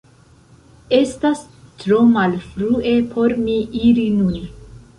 Estas tro malfrue por mi iri nun